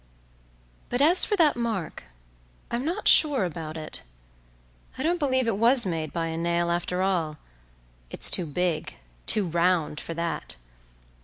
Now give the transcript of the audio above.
But as for that mark, I'm not sure about it; I don't believe it was made by a nail after all; it's too big, too round, for that.